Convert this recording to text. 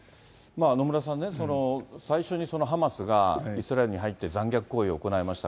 野村さんね、最初にハマスがイスラエルに入って残虐行為を行いました。